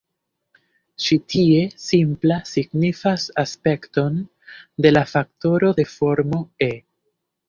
Ĉi tie, 'simpla' signifas aspekton de la faktoro de formo "e".